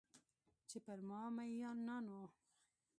چې پر ما میینان وه